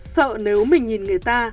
sợ nếu mình nhìn người ta